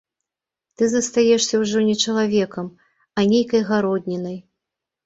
Ты застаешся ўжо не чалавекам, а нейкай гароднінай.